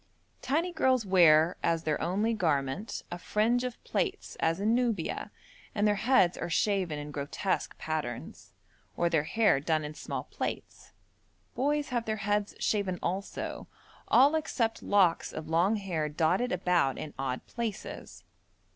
Tiny girls wear, as their only garment, a fringe of plaits as in Nubia, and their heads are shaven in grotesque patterns, or their hair done in small plaits. Boys have their heads shaven also, all except locks of long hair dotted about in odd places.